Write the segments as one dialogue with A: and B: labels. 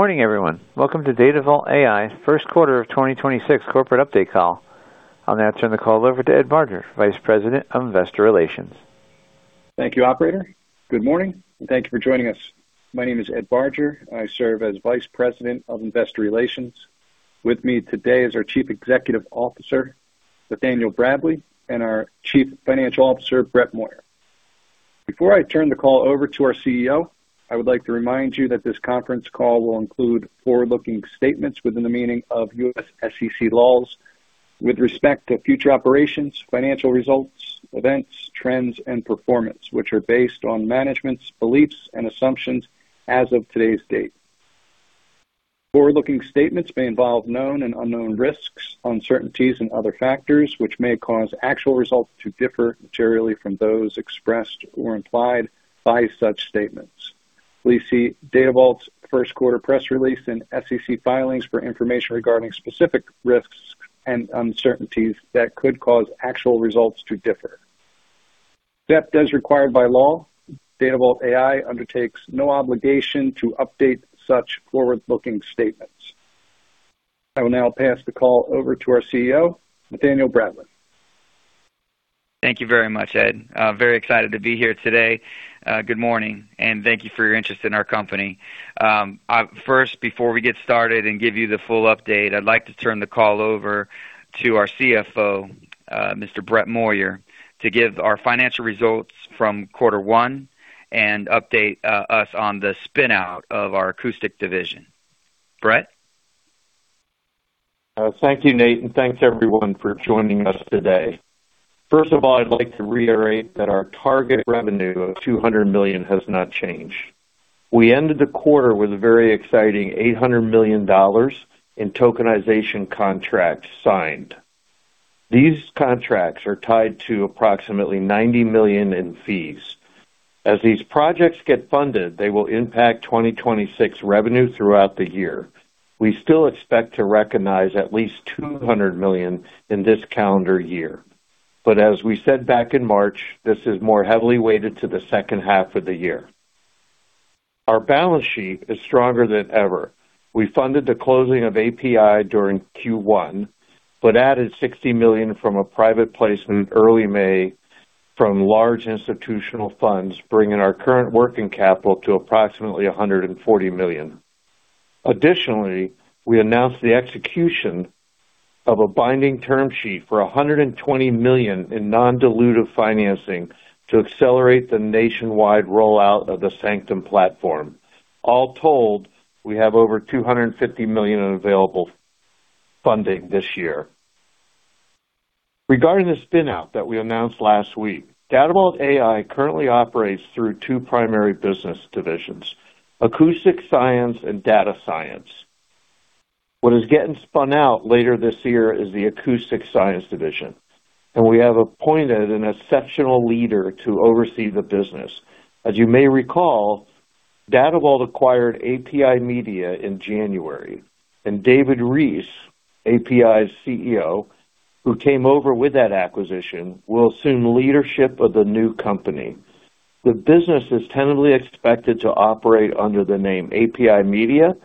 A: Good morning, everyone. Welcome to Datavault AI's first quarter of 2026 corporate update call. I'll now turn the call over to Ed Barger, Vice President of Investor Relations.
B: Thank you, operator. Good morning, and thank you for joining us. My name is Ed Barger. I serve as Vice President of Investor Relations. With me today is our Chief Executive Officer, Nathaniel Bradley, and our Chief Financial Officer, Brett Moyer. Before I turn the call over to our CEO, I would like to remind you that this conference call will include forward-looking statements within the meaning of U.S. SEC laws with respect to future operations, financial results, events, trends, and performance, which are based on management's beliefs and assumptions as of today's date. Forward-looking statements may involve known and unknown risks, uncertainties, and other factors which may cause actual results to differ materially from those expressed or implied by such statements. Please see Datavault AI's first quarter press release and SEC filings for information regarding specific risks and uncertainties that could cause actual results to differ. As required by law, Datavault AI undertakes no obligation to update such forward-looking statements. I will now pass the call over to our CEO, Nathaniel Bradley.
C: Thank you very much, Ed. Very excited to be here today. Good morning, and thank you for your interest in our company. First, before we get started and give you the full update, I'd like to turn the call over to our CFO, Mr. Brett Moyer, to give our financial results from quarter 1 and update us on the spin-out of our Acoustic Sciences division. Brett?
D: Thank you, Nate, and thanks, everyone, for joining us today. First of all, I'd like to reiterate that our target revenue of $200 million has not changed. We ended the quarter with- a very exciting $800 million in tokenization contracts signed. These contracts are tied to approximately $90 million in fees. As these projects get funded, they will impact 2026 revenue throughout the year. We still expect to recognize at least $200 million in this calendar year. As we said back in March, this is more heavily weighted to the second half of the year. Our balance sheet is stronger than ever. We funded the closing of API during Q1 but added $60 million from a private placement early May from large institutional funds, bringing our current working capital to approximately $140 million. Additionally, we announced the execution of a binding term sheet for $120 million in non-dilutive financing to accelerate the nationwide rollout of the Sanctum platform. All told, we have over $250 million in available funding this year. Regarding the spin-out that we announced last week, Datavault AI currently operates through two primary business divisions: Acoustic Sciences and Data Science. What is getting spun out later this year is the Acoustic Sciences division, and we have appointed an exceptional leader to oversee the business. As you may recall, Datavault AI acquired API Media in January, and David Reese, API's CEO, who came over with that acquisition, will assume leadership of the new company. The business is tentatively expected to operate under the name API Media and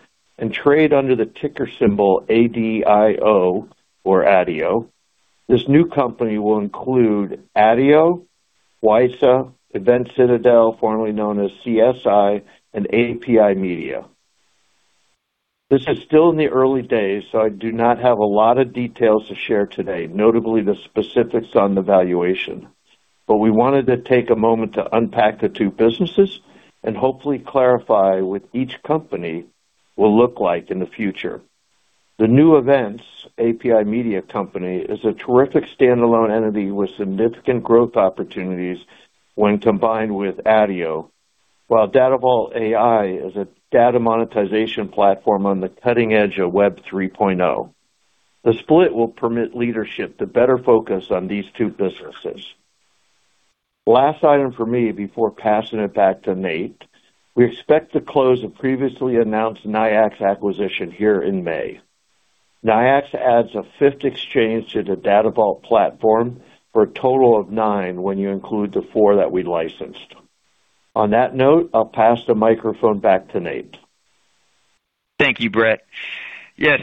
D: trade under the ticker symbol ADIO or ADIO. This new company will include ADIO, WiSA, Event Citadel, formerly known as CSI, and API Media. This is still in the early days. I do not have a lot of details to share today, notably the specifics on the valuation. We wanted to take a moment to unpack the two businesses and hopefully clarify what each company will look like in the future. The new events, API Media Company, is a terrific standalone entity with significant growth opportunities when combined with ADIO. While Datavault AI is a data monetization platform on the cutting edge of Web 3.0. The split will permit leadership to better focus on these two businesses. Last item for me before passing it back to Nate, we expect to close the previously announced NYIAX acquisition here in May. NYIAX adds a fifth exchange to the Datavault AI platform for a total of nine when you include the four that we licensed. On that note, I'll pass the microphone back to Nate.
C: Thank you, Brett. This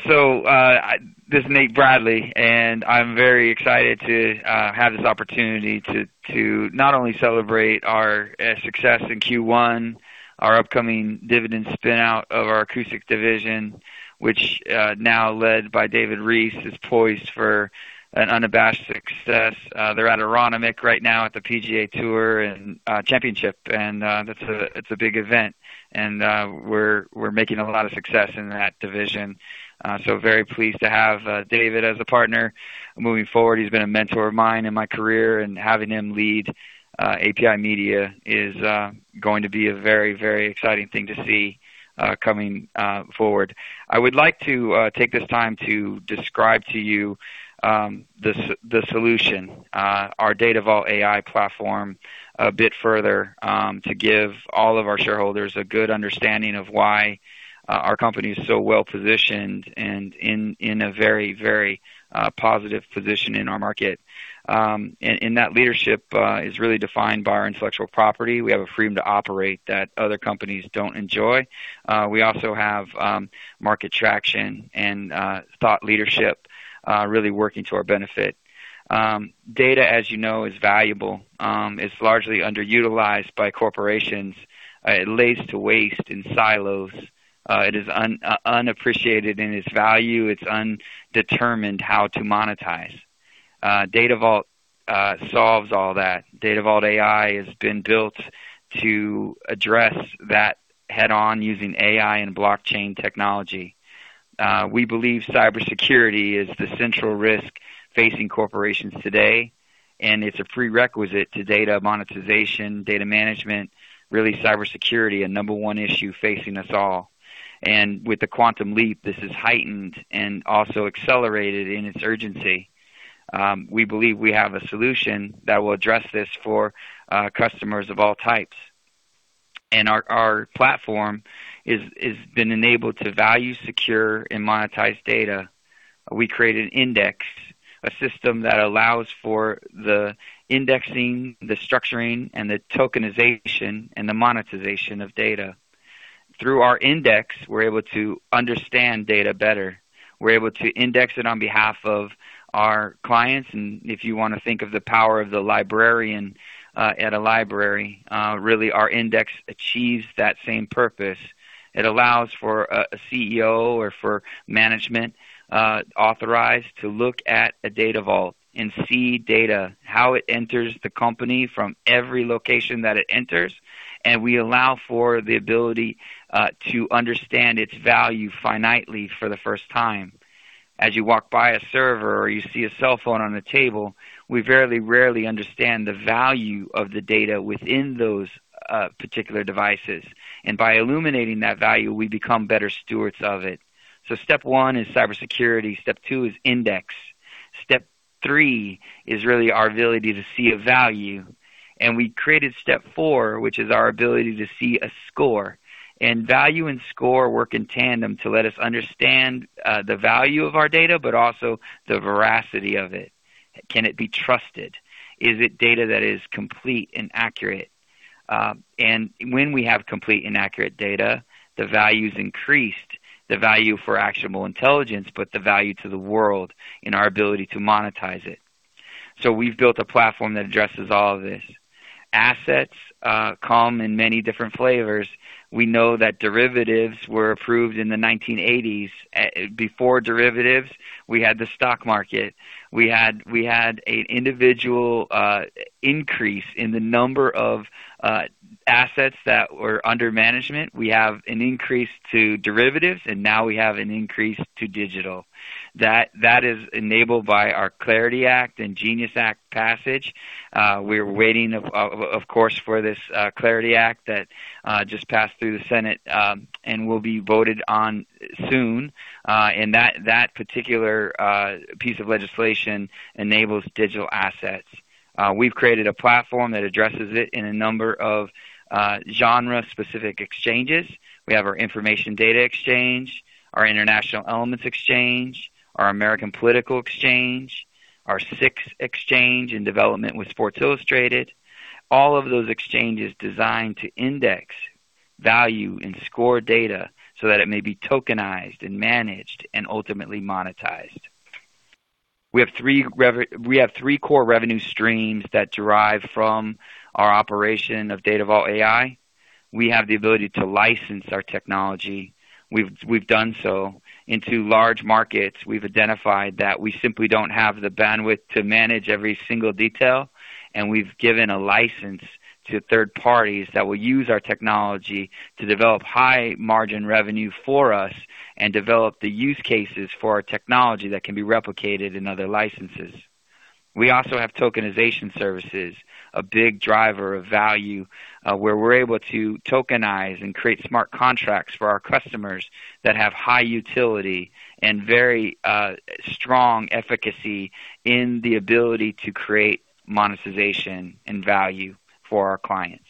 C: is Nate Bradley, and I'm very excited to have this opportunity to not only celebrate our success in Q1, our upcoming dividend spin-out of our acoustic division, which now led by David Reese, is poised for an unabashed success. They're at Aronimink Golf Club right now at the PGA Tour and Championship, and it's a big event. We're making a lot of success in that division. Very pleased to have David as a partner moving forward. He's been a mentor of mine in my career, and having him lead API Media is going to be a very exciting thing to see coming forward. I would like to take this time to describe to you the solution, our Datavault AI platform a bit further, to give all of our shareholders a good understanding of why our company is so well-positioned and in a very positive position in our market. That leadership is really defined by our intellectual property. We have a freedom to operate that other companies don't enjoy. We also have market traction and thought leadership really working to our benefit. Data, as you know, is valuable. It's largely underutilized by corporations. It lays to waste in silos. It is unappreciated in its value. It's undetermined how to monetize. Datavault solves all that. Datavault AI has been built to address that head-on using AI and blockchain technology. We believe cybersecurity is the central risk facing corporations today. It's a prerequisite to data monetization, data management, really cybersecurity, a number one issue facing us all. With the quantum leap, this is heightened and also accelerated in its urgency. We believe we have a solution that will address this for customers of all types. Our platform is been enabled to value, secure, and monetize data. We created Index, a system that allows for the indexing, the structuring, the tokenization, and the monetization of data. Through our Index, we're able to understand data better. We're able to index it on behalf of our clients. If you want to think of the power of the librarian at a library, really our Index achieves that same purpose. It allows for a CEO or for management, authorized to look at a Data Vault and see data, how it enters the company from every location that it enters, and we allow for the ability to understand its DataValue finitely for the first time. As you walk by a server or you see a cell phone on a table, we very rarely understand the DataValue of the data within those particular devices, and by illuminating that DataValue, we become better stewards of it. Step one is cybersecurity, step two is Index. Step three is really our ability to see a DataValue, and we created step four, which is our ability to see a DataScore. DataValue and DataScore work in tandem to let us understand the DataValue of our data, but also the veracity of it. Can it be trusted? Is it data that is complete and accurate? When we have complete and accurate data, the value's increased, the value for actionable intelligence put the value to the world in our ability to monetize it. We've built a platform that addresses all of this. Assets come in many different flavors. We know that derivatives were approved in the 1980s. Before derivatives, we had the stock market. We had an individual increase in the number of assets that were under management. We have an increase to derivatives, and now we have an increase to digital. That is enabled by our CLARITY Act and GENIE Act passage. We're waiting of course for this CLARITY Act that just passed through the Senate and will be voted on soon. That particular piece of legislation enables digital assets. We've created a platform that addresses it in a number of genre-specific exchanges. We have our Information Data Exchange, our International Elements Exchange, our American Politics Exchange, our SIX Exchange in development with Sports Illustrated. All of those exchanges designed to index, value, and score data so that it may be tokenized and managed and ultimately monetized. We have three core revenue streams that derive from our operation of Datavault AI. We have the ability to license our technology. We've done so into large markets. We've identified that we simply don't have the bandwidth to manage every single detail, and we've given a license to third parties that will use our technology to develop high margin revenue for us and develop the use cases for our technology that can be replicated in other licenses. We also have tokenization services, a big driver of value, where we're able to tokenize and create smart contracts for our customers that have high utility and very strong efficacy in the ability to create monetization and value for our clients.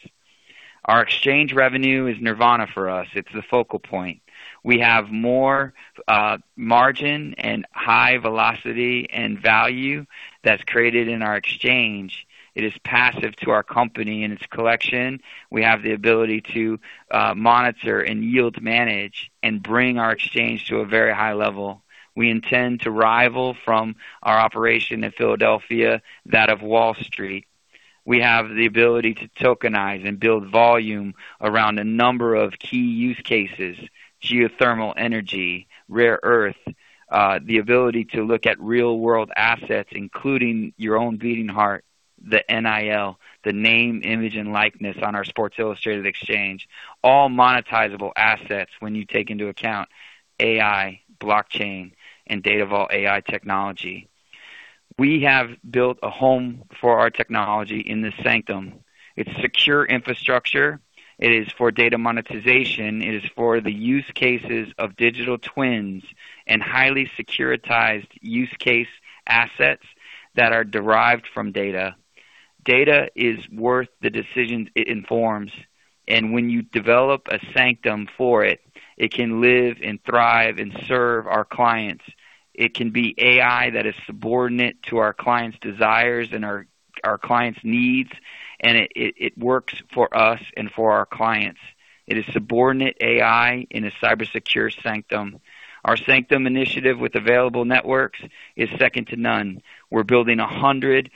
C: Our exchange revenue is nirvana for us. It's the focal point. We have more margin and high velocity and value that's created in our exchange. It is passive to our company in its collection. We have the ability to monitor and yield manage and bring our exchange to a very high level. We intend to rival from our operation in Philadelphia, that of Wall Street. We have the ability to tokenize and build volume around a number of key use cases, geothermal energy, rare earth, the ability to look at real-world assets, including your own beating heart, the NIL, the name, image, and likeness on our Sports Illustrated exchange, all monetizable assets when you take into account AI, blockchain, and Datavault AI technology. We have built a home for our technology in this Sanctum AI. It's secure infrastructure. It is for data monetization. It is for the use cases of digital twins and highly securitized use case assets that are derived from data. Data is worth the decisions it informs. When you develop a Sanctum AI for it can live and thrive and serve our clients. It can be AI that is subordinate to our clients' desires and our clients' needs. It works for us and for our clients. It is subordinate AI in a cybersecure sanctum. Our sanctum initiative with Available Networks is second to none. We're building 100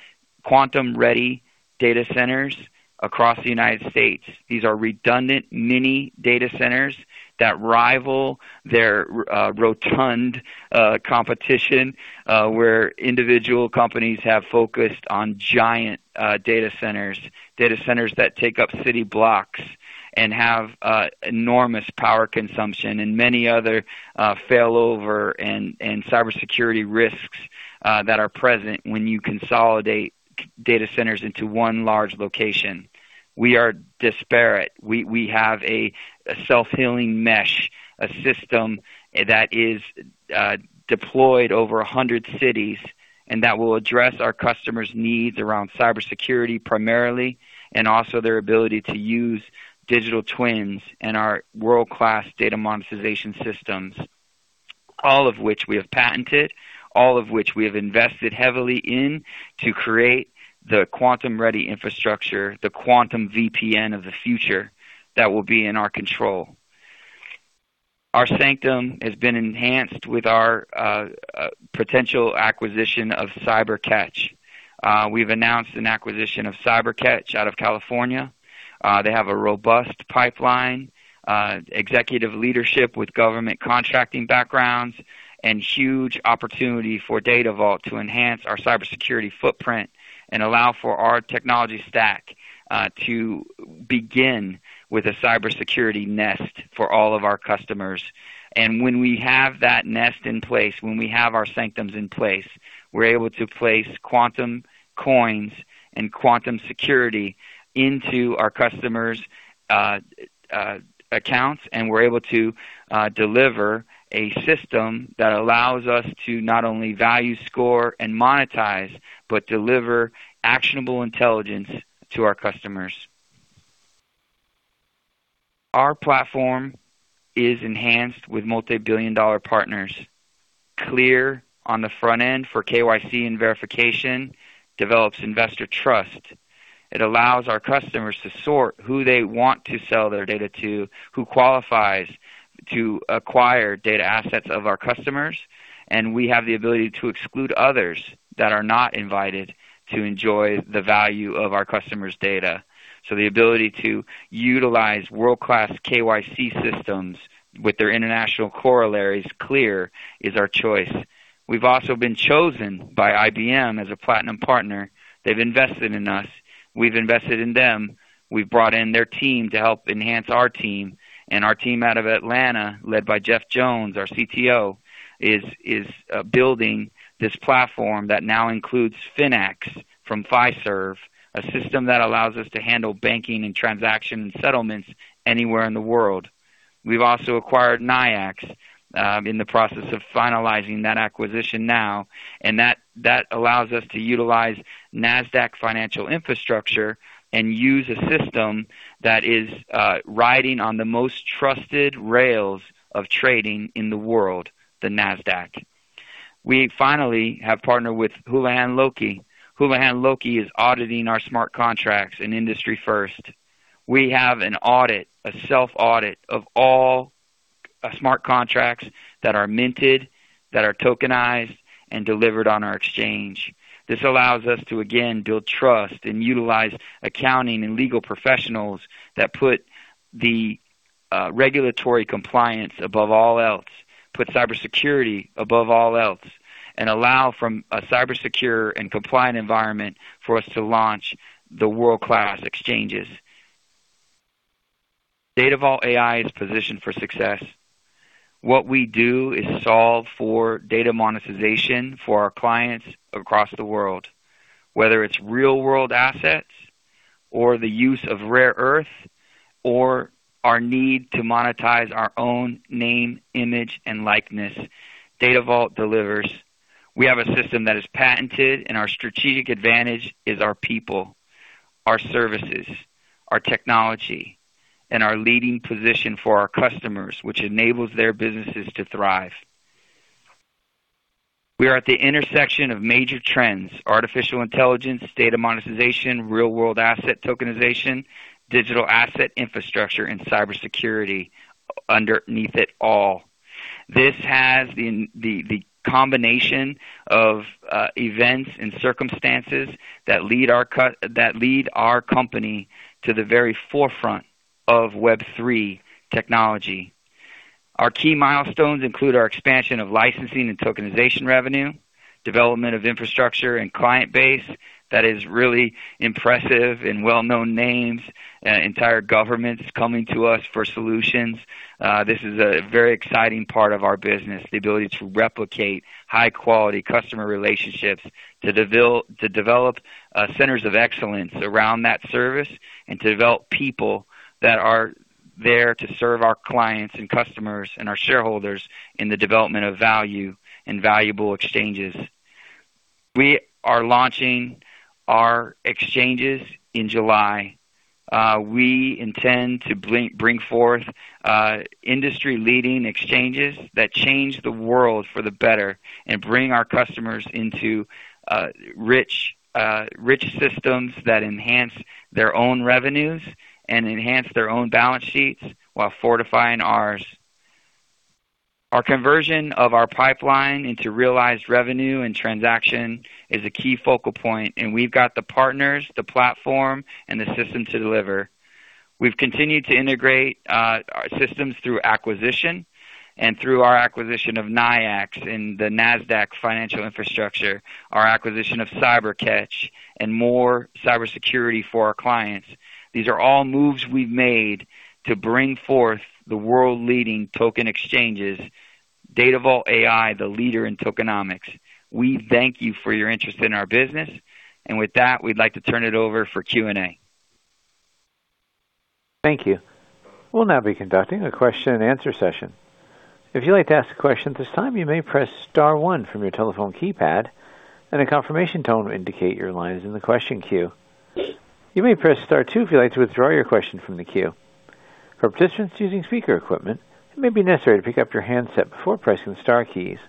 C: quantum-ready data centers across the U.S. These are redundant mini data centers that rival their rotund competition, where individual companies have focused on giant data centers, data centers that take up city blocks and have enormous power consumption and many other failover and cybersecurity risks that are present when you consolidate data centers into one large location. We are disparate. We have a self-healing mesh, a system that is deployed over 100 cities, and that will address our customers' needs around cybersecurity primarily, and also their ability to use digital twins and our world-class data monetization systems, all of which we have patented, all of which we have invested heavily in to create the quantum-ready infrastructure, the quantum VPN of the future that will be in our control. Our Sanctum AI has been enhanced with our potential acquisition of CyberCatch. We've announced an acquisition of CyberCatch out of California. They have a robust pipeline, executive leadership with government contracting backgrounds and huge opportunity for Datavault AI to enhance our cybersecurity footprint and allow for our technology stack to begin with a cybersecurity nest for all of our customers. When we have that nest in place, when we have our Sanctum AI in place, we're able to place quantum coins and quantum security into our customers' accounts, and we're able to deliver a system that allows us to not only value, score, and monetize, but deliver actionable intelligence to our customers. Our platform is enhanced with multi-billion dollar partners. CLEAR on the front end for KYC and verification develops investor trust. It allows our customers to sort who they want to sell their data to, who qualifies to acquire data assets of our customers, and we have the ability to exclude others that are not invited to enjoy the value of our customers' data. The ability to utilize world-class KYC systems with their international corollaries CLEAR is our choice. We've also been chosen by IBM as a platinum partner. They've invested in us. We've invested in them. We've brought in their team to help enhance our team. Our team out of Atlanta, led by Jeff Jones, our CTO, is building this platform that now includes Finax from Fiserv, a system that allows us to handle banking and transaction settlements anywhere in the world. We've also acquired NYIAX in the process of finalizing that acquisition now. That allows us to utilize Nasdaq financial infrastructure and use a system that is riding on the most trusted rails of trading in the world, the Nasdaq. We finally have partnered with Houlihan Lokey. Houlihan Lokey is auditing our smart contracts in industry first. We have an audit, a self-audit of all smart contracts that are minted, that are tokenized and delivered on our exchange. This allows us to again, build trust and utilize accounting and legal professionals that put the regulatory compliance above all else, put cybersecurity above all else, and allow from a cyber-secure and compliant environment for us to launch the world-class exchanges. Datavault AI is positioned for success. What we do is solve for data monetization for our clients across the world, whether it's real world assets or the use of rare earth or our need to monetize our own name, image, and likeness. Datavault delivers. We have a system that is patented, and our strategic advantage is our people, our services, our technology, and our leading position for our customers, which enables their businesses to thrive. We are at the intersection of major trends, artificial intelligence, data monetization, real world asset tokenization, digital asset infrastructure, and cybersecurity underneath it all. This has the combination of events and circumstances that lead our company to the very forefront of Web 3.0 technology. Our key milestones include our expansion of licensing and tokenization revenue, development of infrastructure and client base that is really impressive and well-known names, entire governments coming to us for solutions. This is a very exciting part of our business, the ability to replicate high quality customer relationships, to develop centers of excellence around that service and to develop people that are there to serve our clients and customers and our shareholders in the development of value and valuable exchanges. We are launching our exchanges in July. We intend to bring forth industry leading exchanges that change the world for the better and bring our customers into rich systems that enhance their own revenues and enhance their own balance sheets while fortifying ours. Our conversion of our pipeline into realized revenue and transaction is a key focal point, we've got the partners, the platform, and the system to deliver. We've continued to integrate our systems through acquisition and through our acquisition of NYIAX and the Nasdaq financial infrastructure, our acquisition of CyberCatch and more cybersecurity for our clients. These are all moves we've made to bring forth the world-leading token exchanges. Datavault AI, the leader in tokenomics. We thank you for your interest in our business, with that, we'd like to turn it over for Q&A.
A: Thank you. We'll now be conducting a question and answer session. If you'd like to ask a question at this time, you may press star one from your telephone keypad, and a confirmation tone will indicate your line is in the question queue. You may press star two if you'd like to withdraw your question from the queue. For participants using speaker equipment, it may be necessary to pick up your handset before pressing the star keys.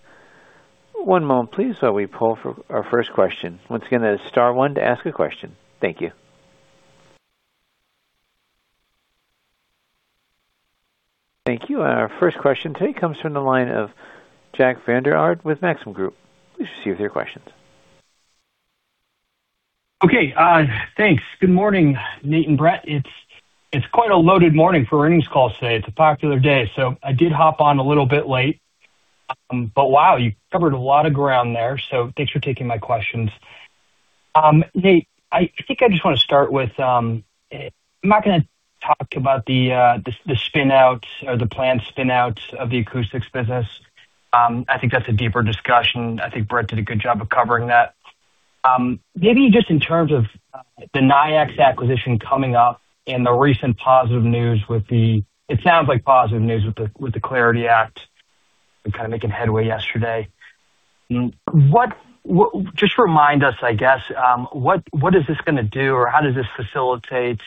A: One moment please while we poll for our first question. Once again, that is star one to ask a question. Thank you. Thank you. Our first question today comes from the line of Jack Vander Aarde with Maxim Group. Please proceed with your questions.
E: Okay. Thanks. Good morning, Nate and Brett. It's quite a loaded morning for earnings call today. It's a popular day, so I did hop on a little bit late. Wow, you covered a lot of ground there, so thanks for taking my questions. Nate, I think I just want to start with, I'm not gonna talk about the spin outs or the planned spin outs of the Acoustics business. I think that's a deeper discussion. I think Brett did a good job of covering that. Maybe just in terms of the NYIAX acquisition coming up and the recent positive news, it sounds like positive news with the CLARITY Act and kind of making headway yesterday. Just remind us, I guess, what is this gonna do or how does this facilitate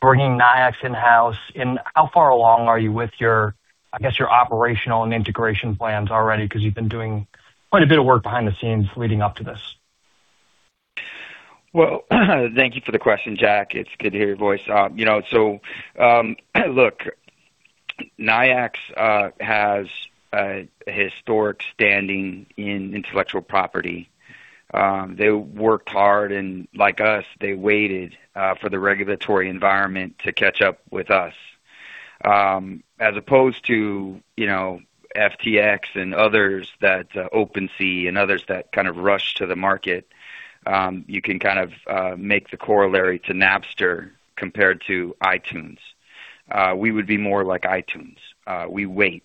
E: bringing NYIAX in-house and how far along are you with your, I guess, your operational and integration plans already because you've been doing quite a bit of work behind the scenes leading up to this?
C: Well, thank you for the question, Jack. It's good to hear your voice. Look, NYIAX has a historic standing in intellectual property. They worked hard and like us, they waited for the regulatory environment to catch up with us. As opposed to, you know, FTX and others that OpenSea and others that kind of rushed to the market, you can kind of make the corollary to Napster compared to iTunes. We would be more like iTunes. We wait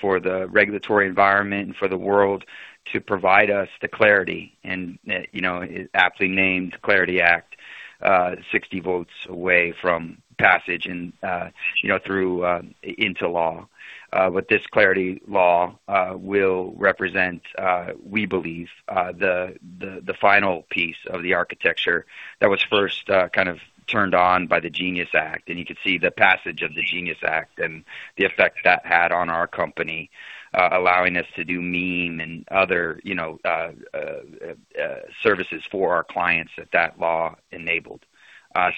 C: for the regulatory environment and for the world to provide us the clarity and, you know, aptly named Clarity Act, 60 votes away from passage and, you know, through into law. This Clarity Law will represent, we believe, the final piece of the architecture that was first kind of turned on by the Genius Act. You could see the passage of the Genius Act and the effect that had on our company, allowing us to do Meme and other, you know, services for our clients that that law enabled.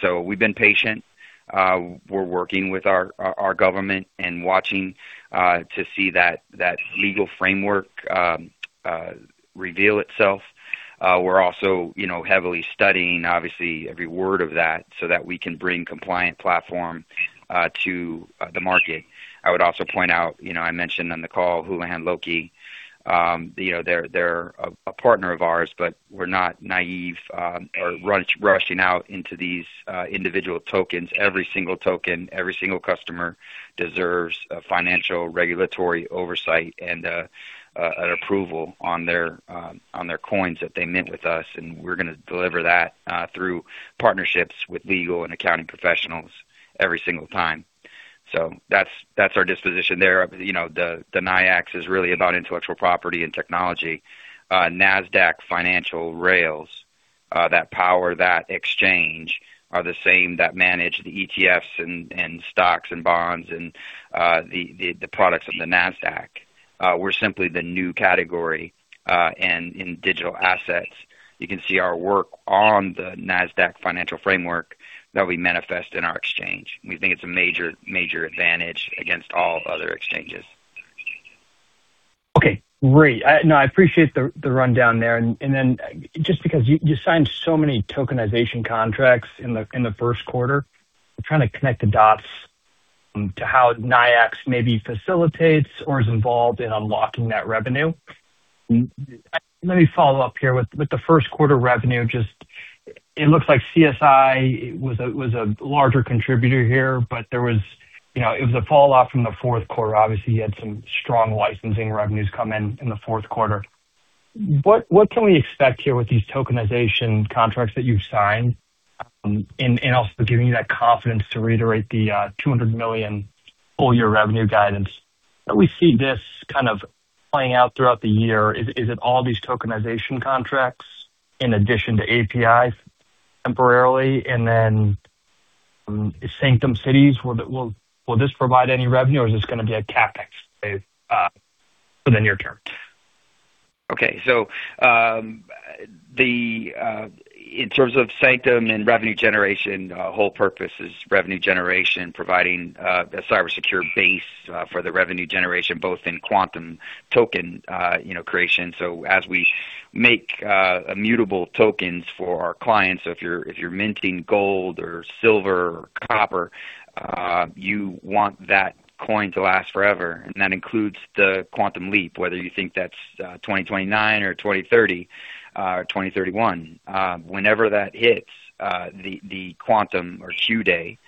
C: We've been patient. We're working with our government and watching to see that legal framework reveal itself. We're also, you know, heavily studying obviously every word of that so that we can bring compliant platform to the market. I would also point out, you know, I mentioned on the call Houlihan Lokey, you know, they're a partner of ours, but we're not naive, or rushing out into these individual tokens. Every single token, every single customer deserves a financial regulatory oversight and approval on their coins that they mint with us. We're gonna deliver that through partnerships with legal and accounting professionals every single time. That's our disposition there. You know, the NYIAX is really about intellectual property and technology. Nasdaq Financial Rails that power that exchange are the same that manage the ETFs and stocks and bonds and the products on the Nasdaq. We're simply the new category and in digital assets. You can see our work on the Nasdaq financial framework that we manifest in our exchange. We think it's a major advantage against all other exchanges.
E: Okay, great. No, I appreciate the rundown there. Then just because you signed so many tokenization contracts in the first quarter, I'm trying to connect the dots to how NYIAX maybe facilitates or is involved in unlocking that revenue. Let me follow up here with the first quarter revenue. It looks like CSI was a larger contributor here. You know, it was a fallout from the fourth quarter. Obviously, you had some strong licensing revenues come in in the fourth quarter. What can we expect here with these tokenization contracts that you've signed? And also giving you that confidence to reiterate the $200 million full year revenue guidance. How do we see this kind of playing out throughout the year? Is it all these tokenization contracts in addition to APIs temporarily and then Sanctum AI, will this provide any revenue or is this gonna be a CapEx for the near term?
C: In terms of Sanctum AI and revenue generation, whole purpose is revenue generation providing a cyber secure base for the revenue generation, both in quantum token creation. As we make immutable tokens for our clients, if you're minting gold or silver or copper, you want that coin to last forever. That includes the quantum leap, whether you think that's 2029 or 2030 or 2031. Whenever that hits, the quantum or Q-Day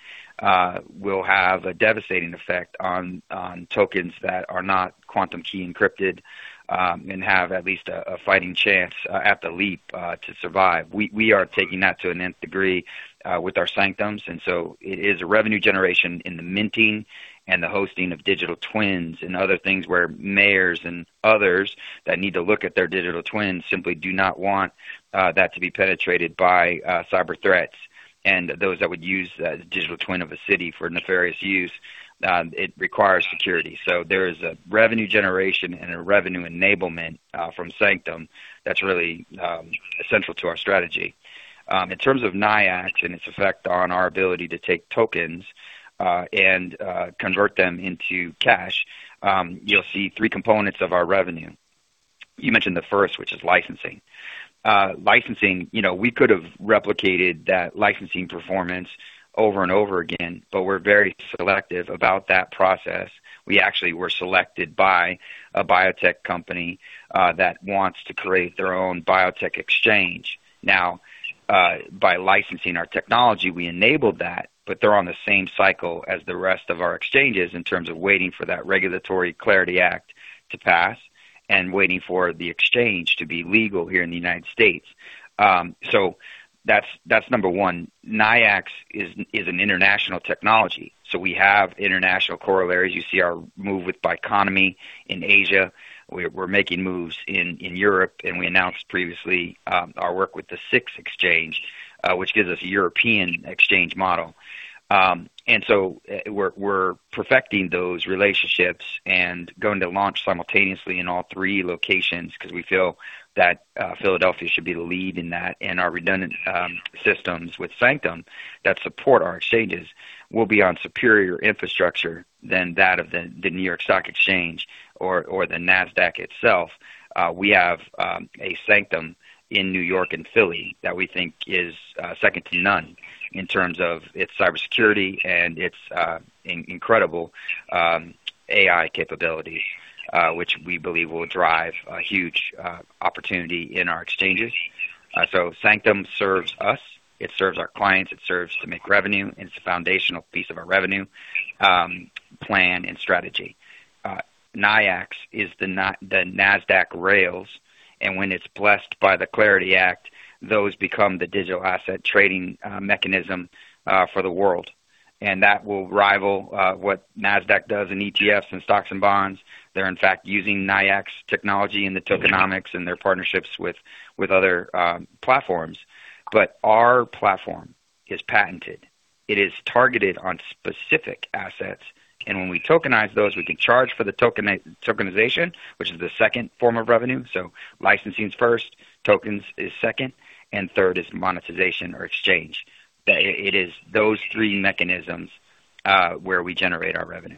C: will have a devastating effect on tokens that are not quantum key encrypted and have at least a fighting chance at the leap to survive. We are taking that to an nth degree with our Sanctum AIs. It is a revenue generation in the minting and the hosting of digital twins and other things where mayors and others that need to look at their digital twins simply do not want that to be penetrated by cyber threats and those that would use the digital twin of a city for nefarious use. It requires security. There is a revenue generation and a revenue enablement from Sanctum AI that's really essential to our strategy. In terms of NYIAX Inc. and its effect on our ability to take tokens and convert them into cash, you'll see 3 components of our revenue. You mentioned the first, which is licensing. Licensing, you know, we could have replicated that licensing performance over and over again, but we're very selective about that process. We actually were selected by a biotech company that wants to create their own biotech exchange. By licensing our technology, we enabled that, but they're on the same cycle as the rest of our exchanges in terms of waiting for that regulatory CLARITY Act to pass and waiting for the exchange to be legal here in the United States. That's number one. NYIAX is an international technology, so we have international corollaries. You see our move with Biconomy in Asia. We're making moves in Europe, and we announced previously our work with the SIX Exchange, which gives us a European exchange model. We're perfecting those relationships and going to launch simultaneously in all three locations because we feel that Philadelphia should be the lead in that. Our redundant systems with Sanctum AI that support our exchanges will be on superior infrastructure than that of the New York Stock Exchange or the Nasdaq itself. We have a Sanctum AI in New York and Philly that we think is second to none in terms of its cybersecurity and its incredible AI capability, which we believe will drive a huge opportunity in our exchanges. Sanctum AI serves us, it serves our clients, it serves to make revenue, and it's a foundational piece of our revenue plan and strategy. NYIAX Inc. is the Nasdaq rails, and when it's blessed by the Digital Asset Market CLARITY Act, those become the digital asset trading mechanism for the world. That will rival what Nasdaq does in ETFs and stocks and bonds. They're in fact using NYIAX technology in the tokenomics and their partnerships with other platforms. Our platform is patented. It is targeted on specific assets, and when we tokenize those, we can charge for the tokenization, which is the second form of revenue. Licensing is first, tokens is second, and third is monetization or exchange. It is those three mechanisms where we generate our revenue.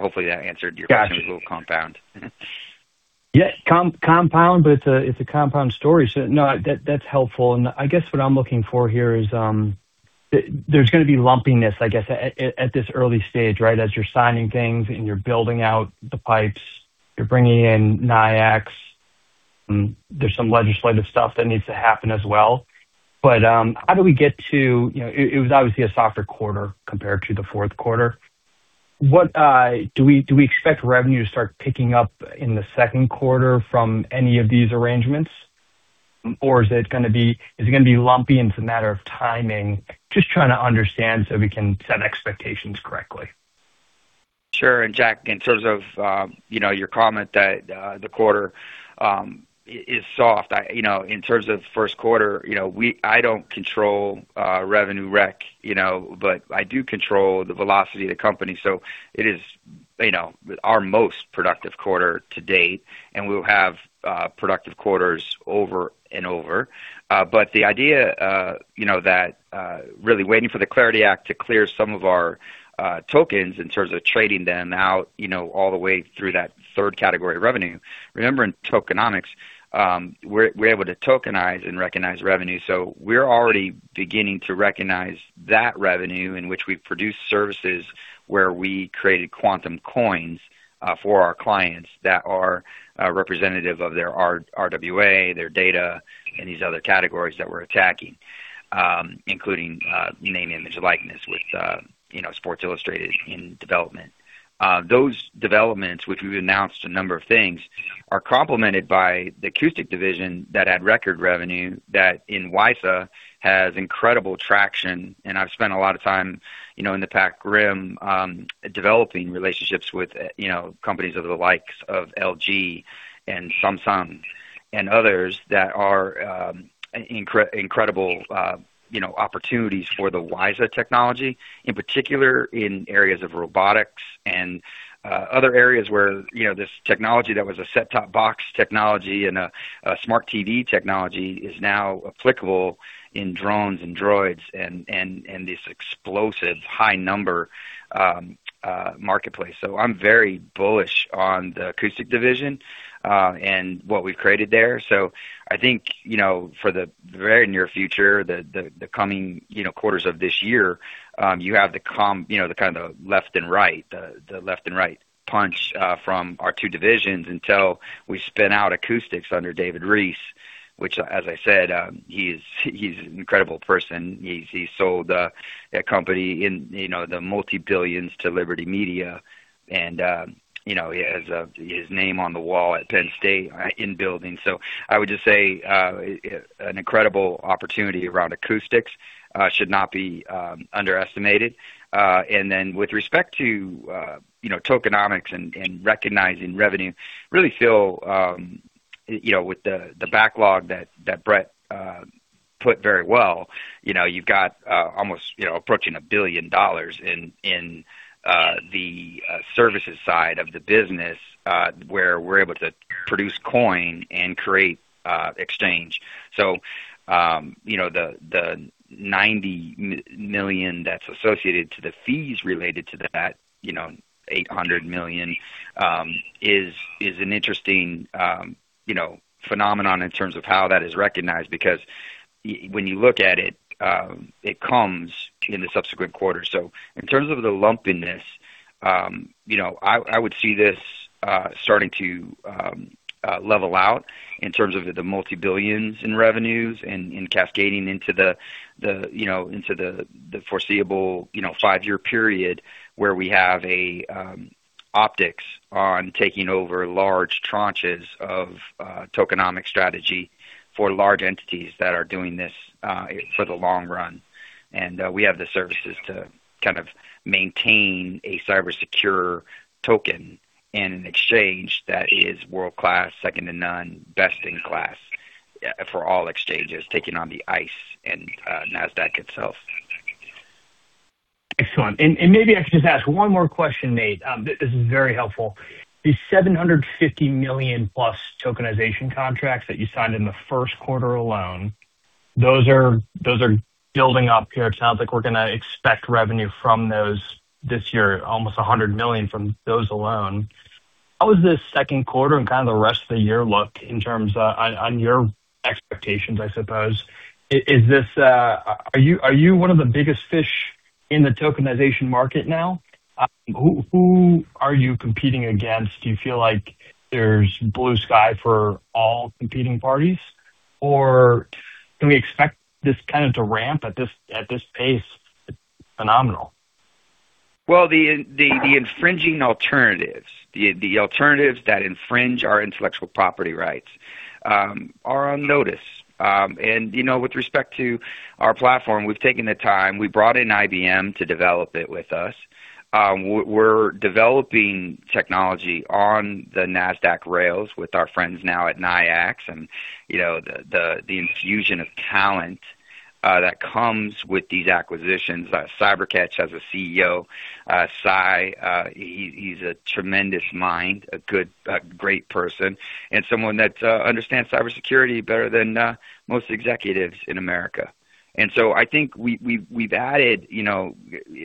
C: Hopefully that answered your question. It was a little compound.
E: Yeah, compound, but it's a compound story. No, that's helpful. I guess what I'm looking for here is, there's gonna be lumpiness, I guess, at this early stage, right? As you're signing things and you're building out the pipes, you're bringing in NYIAX, there's some legislative stuff that needs to happen as well. How do we get to You know, it was obviously a softer quarter compared to the fourth quarter. What Do we expect revenue to start picking up in the second quarter from any of these arrangements? Or is it gonna be lumpy and it's a matter of timing? Just trying to understand so we can set expectations correctly.
C: Sure. Jack, in terms of, you know, your comment that, the quarter is soft. You know, in terms of first quarter, you know, I don't control, revenue rec, you know, but I do control the velocity of the company. It is, you know, our most productive quarter to date, and we'll have, productive quarters over and over. The idea, you know, that, really waiting for the CLARITY Act to clear some of our, tokens in terms of trading them out, you know, all the way through that 3rd category of revenue. Remember, in tokenomics, we're able to tokenize and recognize revenue. We're already beginning to recognize that revenue in which we've produced services where we created quantum coins for our clients that are representative of their RWA, their data, and these other categories that we're attacking, including name, image, and likeness with Sports Illustrated in development. Those developments, which we've announced a number of things, are complemented by the acoustic division that had record revenue that in Wi-Fi has incredible traction. I've spent a lot of time, you know, in the Pac Rim, developing relationships with, you know, companies of the likes of LG and Samsung. Others that are incredible, you know, opportunities for the WiSA technology, in particular in areas of robotics and other areas where, you know, this technology that was a set-top box technology and a smart TV technology is now applicable in drones and droids and this explosive high number marketplace. I'm very bullish on the acoustic division and what we've created there. I think, you know, for the very near future, the coming, you know, quarters of this year, you have, you know, the kind of left and right, the left and right punch from our two divisions until we spin out acoustics under David Reese, which, as I said, he's an incredible person. He sold a company in, you know, the multi-billions to Liberty Media and, you know, he has his name on the wall at Penn State in building. I would just say an incredible opportunity around acoustics should not be underestimated. With respect to, you know, tokenomics and recognizing revenue, really feel, you know, with the backlog that Brett put very well, you know, you've got, almost, you know, approaching $1 billion in the services side of the business, where we are able to produce coin and create exchange. You know, the $90 million that's associated to the fees related to that, you know, $800 million, is an interesting, you know, phenomenon in terms of how that is recognized because when you look at it comes in the subsequent quarters. In terms of the lumpiness, you know, I would see this starting to level out in terms of the multi-billions in revenues and cascading into the foreseeable five-year period where we have optics on taking over large tranches of tokenomics strategy for large entities that are doing this for the long run. We have the services to kind of maintain a cyber secure token and an exchange that is world-class, second to none, best in class for all exchanges, taking on the ICE and Nasdaq itself.
E: Excellent. Maybe I should just ask one more question, Nate. This is very helpful. The $750 million plus tokenization contracts that you signed in the first quarter alone, those are building up here. It sounds like we're gonna expect revenue from those this year, almost $100 million from those alone. How is this second quarter and kind of the rest of the year look in terms of on your expectations, I suppose? Are you one of the biggest fish in the tokenization market now? Who are you competing against? Do you feel like there's blue sky for all competing parties? Can we expect this kind of to ramp at this pace? It's phenomenal.
C: The infringing alternatives, the alternatives that infringe our intellectual property rights, are on notice. You know, with respect to our platform, we've taken the time, we brought in IBM to develop it with us. We're developing technology on the Nasdaq rails with our friends now at NYIAX and, you know, the infusion of talent that comes with these acquisitions. CyberCatch has a CEO, Sai. He's a tremendous mind, a great person, and someone that understands cybersecurity better than most executives in America. I think we've added, you know,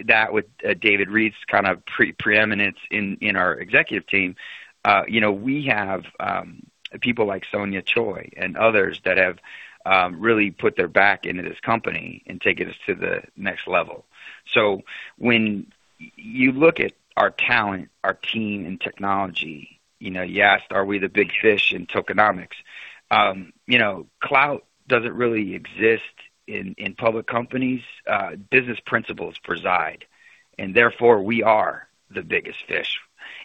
C: that with David Reese kind of preeminence in our executive team. You know, we have people like Sonia Choi and others that have really put their back into this company and taken us to the next level. When you look at our talent, our team, and technology, you know, you asked, are we the big fish in tokenomics? You know, clout doesn't really exist in public companies. Business principles preside, and therefore, we are the biggest fish.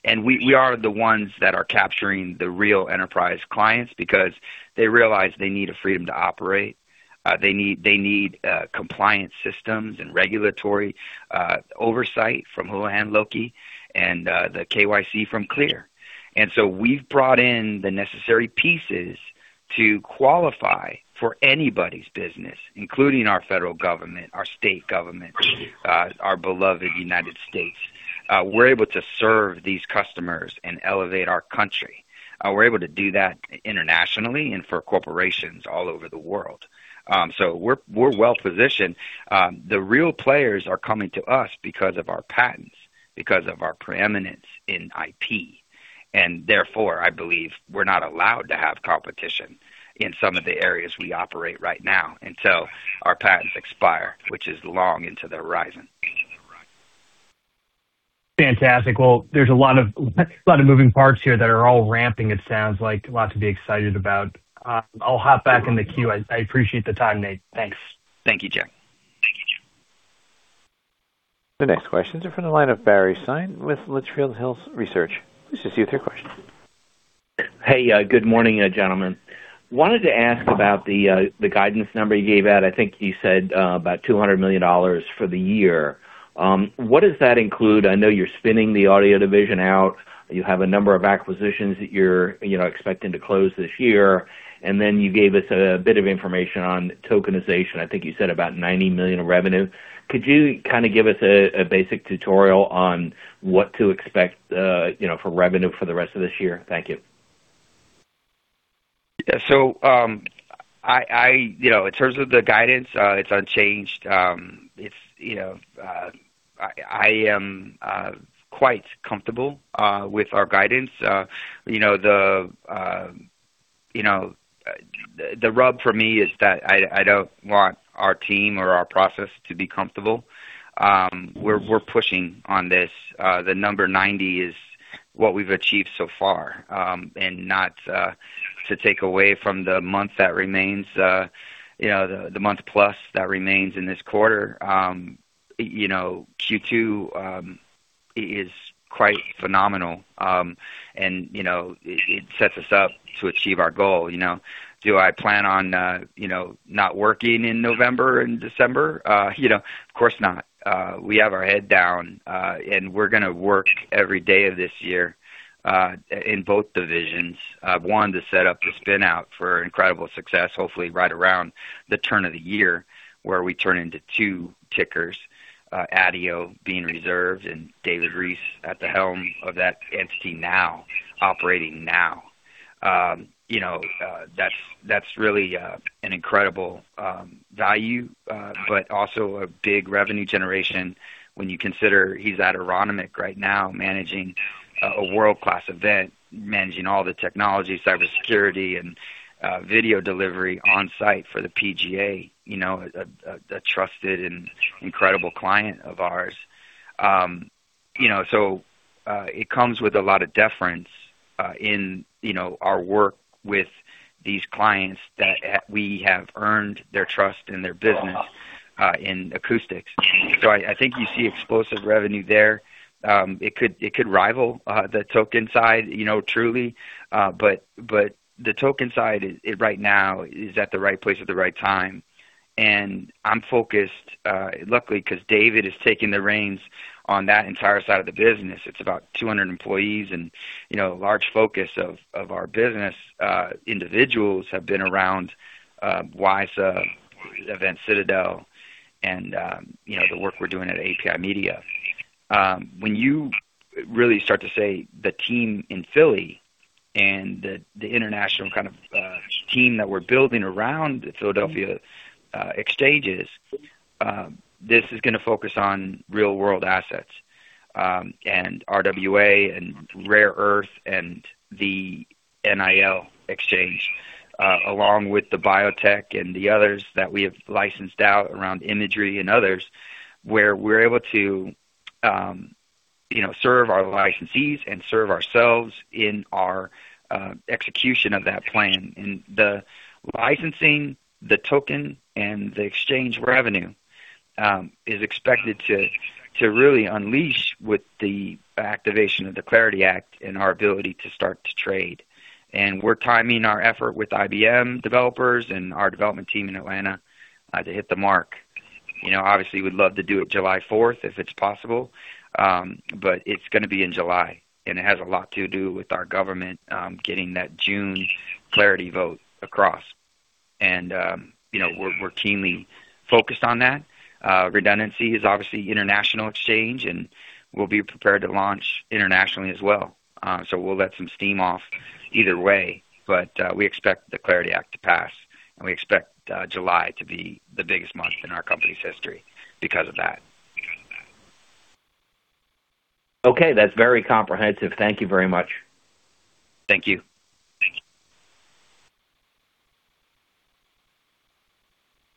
C: We are the ones that are capturing the real enterprise clients because they realize they need a freedom to operate. They need compliance systems and regulatory oversight from Houlihan Lokey and the KYC from CLEAR. We've brought in the necessary pieces to qualify for anybody's business, including our federal government, our state government, our beloved U.S. We're able to serve these customers and elevate our country. We're able to do that internationally and for corporations all over the world. We're well-positioned. The real players are coming to us because of our patents, because of our preeminence in IP, and therefore, I believe we're not allowed to have competition in some of the areas we operate right now until our patents expire, which is long into the horizon.
E: Fantastic. Well, there's a lot of moving parts here that are all ramping, it sounds like. A lot to be excited about. I'll hop back in the queue. I appreciate the time, Nate. Thanks.
C: Thank you, Jack.
A: The next question is from the line of Barry Sine with Litchfield Hills Research. Please proceed with your question.
F: Hey, good morning, gentlemen. Wanted to ask about the guidance number you gave out. I think you said about $200 million for the year. What does that include? I know you're spinning the audio division out. You have a number of acquisitions that you're, you know, expecting to close this year, and then you gave us a bit of information on tokenization. I think you said about $90 million of revenue. Could you kind of give us a basic tutorial on what to expect, you know, for revenue for the rest of this year? Thank you.
C: Yeah. I You know, in terms of the guidance, it's unchanged. It's, you know, I am quite comfortable with our guidance. You know, the, you know, the rub for me is that I don't want our team or our process to be comfortable. We're pushing on this. The number 90 is what we've achieved so far. Not to take away from the month that remains, you know, the month plus that remains in this quarter. You know, Q2 is quite phenomenal. You know, it sets us up to achieve our goal, you know. Do I plan on, you know, not working in November and December? You know, of course not. We have our head down, we're gonna work every day of this year in both divisions. One, to set up the spin out for incredible success, hopefully right around the turn of the year, where we turn into two tickers, ADIO being reserved and David Reese at the helm of that entity now, operating now. You know, that's really an incredible value, also a big revenue generation when you consider he's at Aronimink right now managing a world-class event, managing all the technology, cybersecurity, and video delivery on site for the PGA, you know, a trusted and incredible client of ours. You know, it comes with a lot of deference, in, you know, our work with these clients that, we have earned their trust and their business, in acoustics. I think you see explosive revenue there. It could rival the token side, you know, truly. The token side is right now at the right place at the right time. I'm focused, luckily, 'cause David Reese is taking the reins on that entire side of the business. It's about 200 employees and, you know, a large focus of our business. Individuals have been around WiSA, Event Citadel, and, you know, the work we're doing at API Media. When you really start to say the team in Philly and the international kind of team that we're building around Philadelphia exchanges, this is gonna focus on real-world assets, and RWA and Rare Earth and the NIL exchange, along with the biotech and the others that we have licensed out around imagery and others, where we're able to, you know, serve our licensees and serve ourselves in our execution of that plan. The licensing, the token, and the exchange revenue is expected to really unleash with the activation of the Clarity Act and our ability to start to trade. We're timing our effort with IBM developers and our development team in Atlanta to hit the mark. You know, obviously we'd love to do it July fourth if it's possible, but it's gonna be in July, and it has a lot to do with our government getting that June Clarity Act across. You know, we're keenly focused on that. Redundancy is obviously international exchange, and we'll be prepared to launch internationally as well. We'll let some steam off either way, but we expect the Clarity Act to pass, and we expect July to be the biggest month in our company's history because of that.
F: Okay. That's very comprehensive. Thank you very much.
C: Thank you.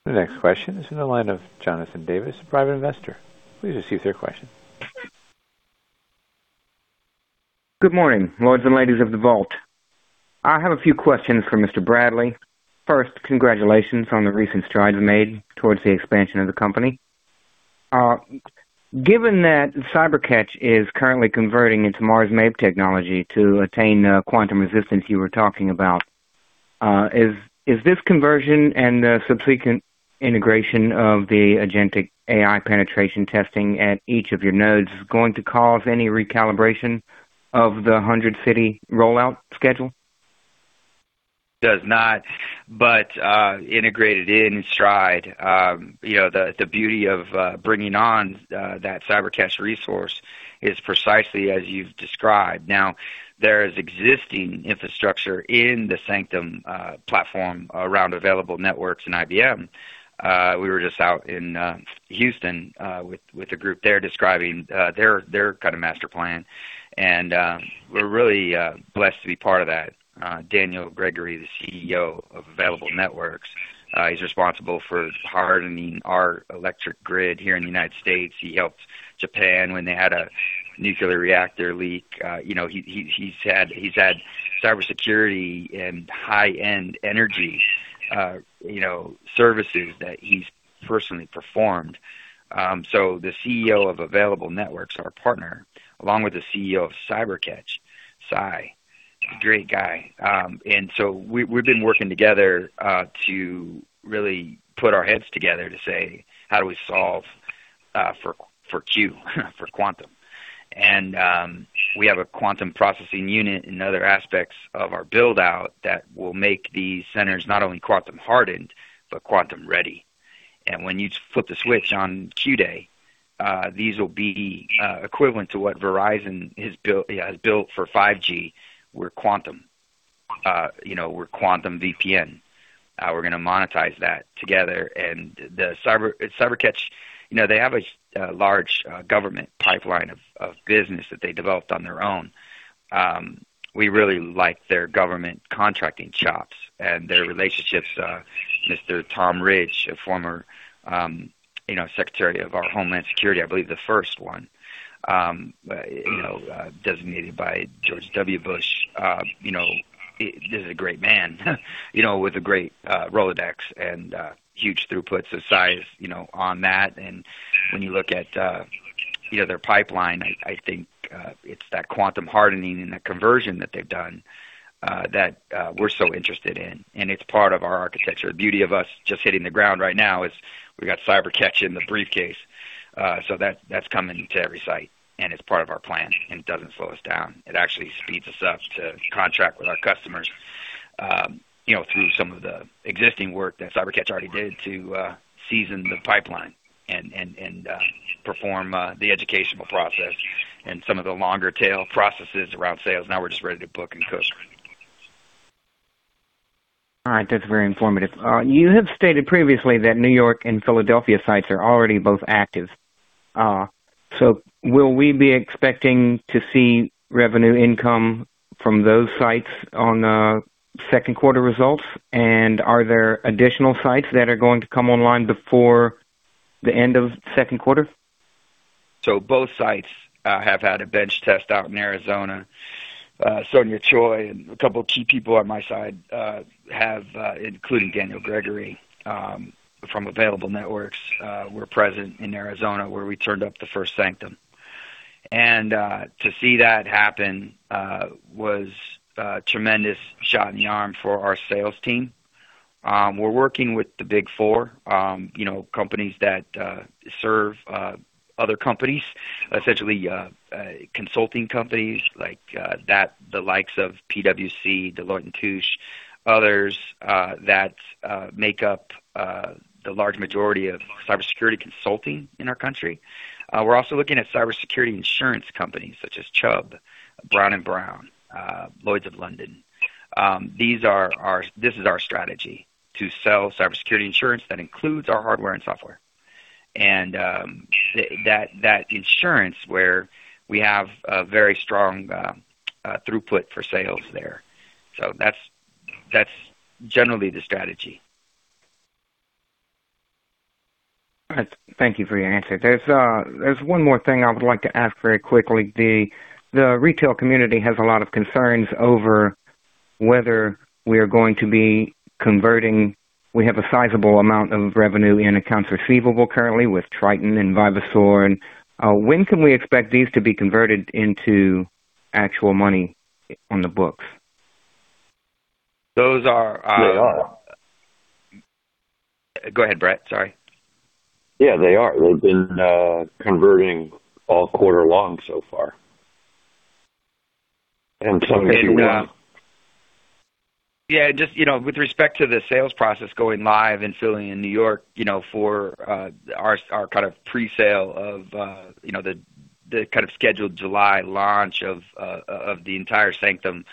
A: The next question is in the line of Jonathan Davis, a private investor. Please proceed with your question.
G: Good morning, lords and ladies of the vault. I have a few questions for Mr. Bradley. First, congratulations on the recent strides made towards the expansion of the company. Given that CyberCatch is currently converting into Mars MAVEN technology to attain the quantum resistance you were talking about, is this conversion and the subsequent integration of the agentic AI penetration testing at each of your nodes going to cause any recalibration of the 100-city rollout schedule?
C: Does not, integrated in stride. You know, the beauty of bringing on that CyberCatch resource is precisely as you've described. There is existing infrastructure in the Sanctum AI platform around Available Networks and IBM. We were just out in Houston with a group. They're describing their kind of master plan, we're really blessed to be part of that. Daniel Gregory, the CEO of Available Networks, he's responsible for hardening our electric grid here in the U.S. He helped Japan when they had a nuclear reactor leak. You know, he's had cybersecurity and high-end energy, you know, services that he's personally performed. The CEO of Available Networks, our partner, along with the CEO of CyberCatch, Sai Huda, great guy. We've been working together to really put our heads together to say, "How do we solve for Q, for Quantum?" We have a Quantum processing unit in other aspects of our build-out that will make these centers not only Quantum hardened, but Quantum ready. When you flip the switch on Q-day, these will be equivalent to what Verizon has built for 5G. We're Quantum. You know, we're Quantum VPN. We're gonna monetize that together. The CyberCatch, you know, they have a large government pipeline of business that they developed on their own. We really like their government contracting chops and their relationships. Mr. Tom Ridge, a former, you know, Secretary of our Homeland Security, I believe the first one, you know, designated by George W. Bush. You know, this is a great man, you know, with a great, Rolodex and, huge throughputs of size, you know, on that. When you look at, you know, their pipeline, I think, it's that quantum hardening and the conversion that they've done, that, we're so interested in, and it's part of our architecture. Beauty of us just hitting the ground right now is we got CyberCatch in the briefcase. That's coming to every site, and it's part of our plan, and it doesn't slow us down. It actually speeds us up to contract with our customers, you know, through some of the existing work that CyberCatch already did to season the pipeline and perform the educational process and some of the longer tail processes around sales. Now we're just ready to book and coast.
G: All right. That's very informative. You have stated previously that New York and Philadelphia sites are already both active. Will we be expecting to see revenue income from those sites on second quarter results? Are there additional sites that are going to come online before the end of second quarter?
C: Both sites have had a bench test out in Arizona. Sonia Choi and a couple of key people on my side have, including Daniel Gregory, from Available Networks, were present in Arizona where we turned up the first Sanctum AI. To see that happen was a tremendous shot in the arm for our sales team. We're working with the Big Four, you know, companies that serve other companies, essentially, consulting companies like the likes of PwC, Deloitte & Touche, others that make up the large majority of cybersecurity consulting in our country. We're also looking at cybersecurity insurance companies such as Chubb, Brown & Brown, Lloyd's of London. This is our strategy to sell cybersecurity insurance that includes our hardware and software. That insurance where we have a very strong throughput for sales there. That's generally the strategy.
G: Thank you for your answer. There's one more thing I would like to ask very quickly. The retail community has a lot of concerns over whether we are going to be converting. We have a sizable amount of revenue in accounts receivable currently with Triton and Vivasor. When can we expect these to be converted into actual money on the books?
C: Those are.
D: They are.
C: Go ahead, Brett. Sorry.
D: Yeah, they are. They've been converting all quarter long so far.
C: Yeah, just, you know, with respect to the sales process going live and filling in N.Y., you know, for our kind of pre-sale of, you know, the scheduled July launch of the entire Sanctum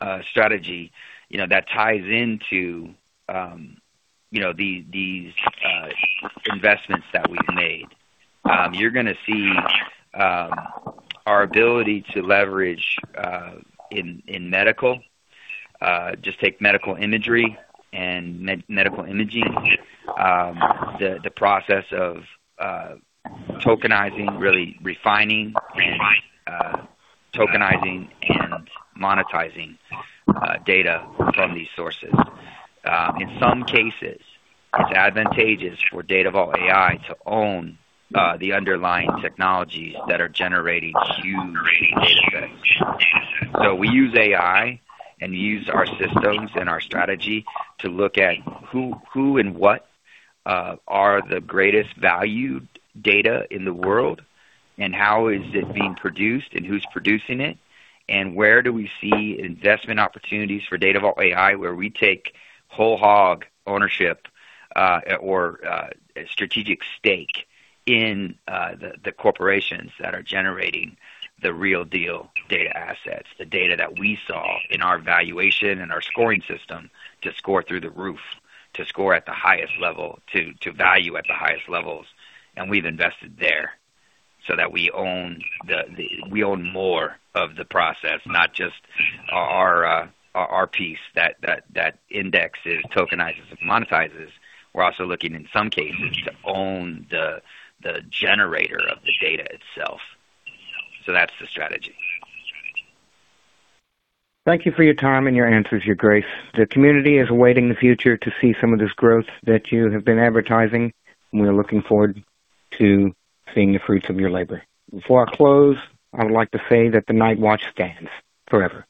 C: AI strategy, you know, that ties into, you know, these investments that we've made. You're gonna see our ability to leverage in medical, just take medical imagery and medical imaging, the process of tokenizing, really refining and tokenizing and monetizing data from these sources. In some cases, it's advantageous for Datavault AI to own the underlying technologies that are generating huge datasets. We use AI and use our systems and our strategy to look at who and what are the greatest value data in the world, and how is it being produced and who's producing it, and where do we see investment opportunities for Datavault AI, where we take whole hog ownership or a strategic stake in the corporations that are generating the real deal data assets, the data that we saw in our valuation and our scoring system to score through the roof, to score at the highest level, to value at the highest levels. We've invested there so that we own the process, not just our piece that indexes, tokenizes, and monetizes. We're also looking in some cases to own the generator of the data itself. That's the strategy.
G: Thank you for your time and your answers, Your Grace. The community is awaiting the future to see some of this growth that you have been advertising, and we're looking forward to seeing the fruits of your labor. Before I close, I would like to say that the Nightwatch stands forever.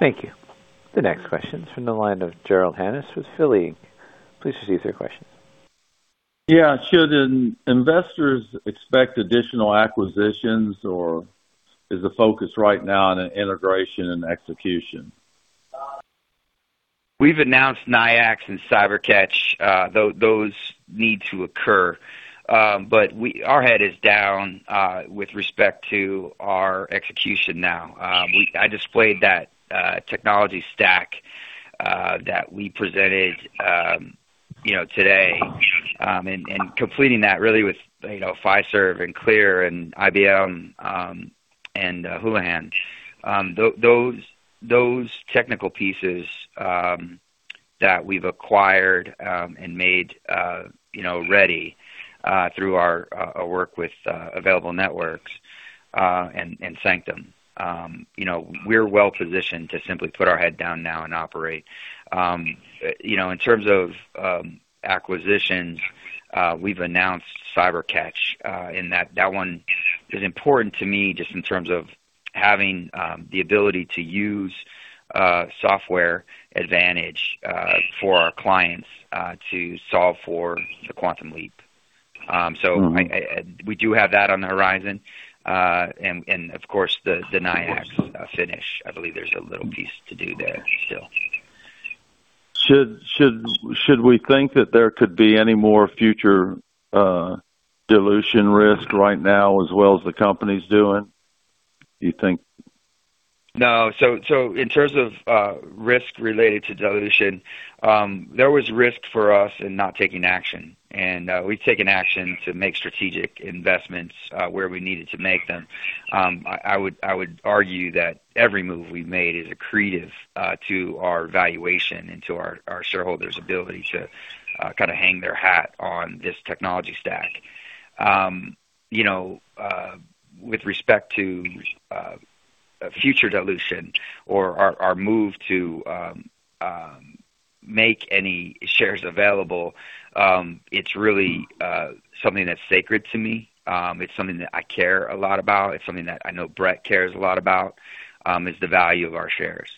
A: Thank you. The next question is from the line of Gerald Hannis with Philly Inc. Please proceed with your question.
H: Yeah. Should an investors expect additional acquisitions, or is the focus right now on integration and execution?
C: We've announced NYIAX and CyberCatch. Those need to occur. Our head is down with respect to our execution now. I displayed that technology stack that we presented, you know, today, and completing that really with, you know, Fiserv and CLEAR and IBM, and Houlihan. Those technical pieces that we've acquired and made, you know, ready through our work with Available Networks and Sanctum AI. You know, we're well-positioned to simply put our head down now and operate. You know, in terms of acquisitions, we've announced CyberCatch, and that one is important to me just in terms of having the ability to use software advantage for our clients to solve for the quantum leap. We do have that on the horizon. Of course, the NYIAX finish. I believe there's a little piece to do there still.
H: Should we think that there could be any more future dilution risk right now as well as the company's doing, you think?
C: No. So in terms of risk related to dilution, there was risk for us in not taking action. We've taken action to make strategic investments where we needed to make them. I would argue that every move we've made is accretive to our valuation and to our shareholders' ability to kind of hang their hat on this technology stack. You know, with respect to future dilution or our move to make any shares available, it's really something that's sacred to me. It's something that I care a lot about. It's something that I know Brett cares a lot about, is the value of our shares.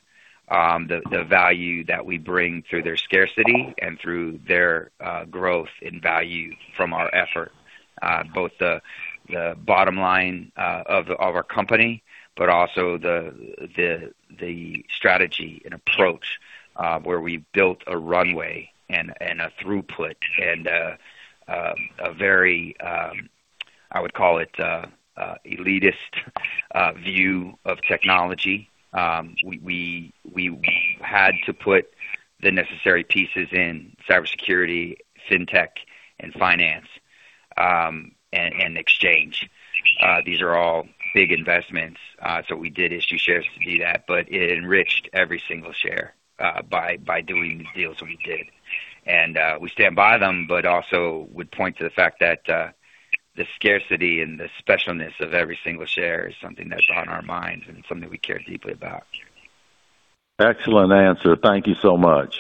C: The value that we bring through their scarcity and through their growth in value from our effort, both the bottom line of our company, but also the strategy and approach, where we built a runway and a throughput and a very, I would call it, elitist view of technology. We had to put the necessary pieces in cybersecurity, fintech and finance, and exchange. These are all big investments. We did issue shares to do that, but it enriched every single share by doing the deals that we did. We stand by them, but also would point to the fact that the scarcity and the specialness of every single share is something that's on our minds and something we care deeply about.
H: Excellent answer. Thank you so much.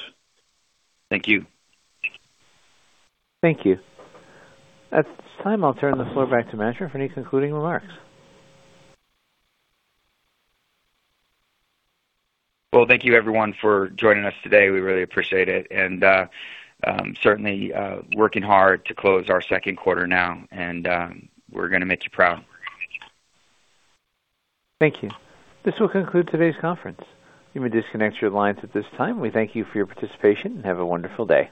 C: Thank you.
A: Thank you. At this time I'll turn the floor back to manager for any concluding remarks.
C: Well, thank you everyone for joining us today. We really appreciate it. Certainly, working hard to close our second quarter now, we're gonna make you proud.
A: Thank you. This will conclude today's conference. You may disconnect your lines at this time. We thank you for your participation, and have a wonderful day.